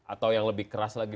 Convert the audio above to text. atau yang lebih keras lagi